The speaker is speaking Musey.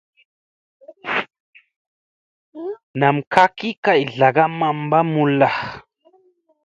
Nam kak ki kay zlagam mamba mulla.